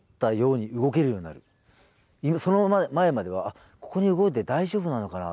その前まではここに動いて大丈夫なのかな